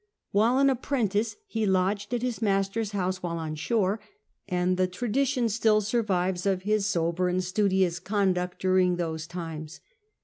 While an apprentice, he lodged at his master's house while on shore, and the tradition still survives of his sober and studious conduct during those times.